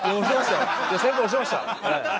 先輩推しました。